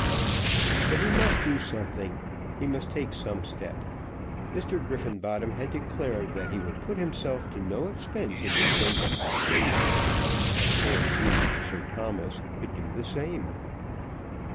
But he must do something; he must take some step. Mr. Griffenbottom had declared that he would put himself to no expense in defending the seat. Of course he, Sir Thomas, could do the same.